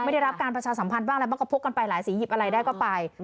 ได้รับการประชาสัมพันธ์บ้างอะไรมันก็พกกันไปหลายสีหยิบอะไรได้ก็ไป